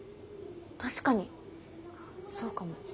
確かにそうかも。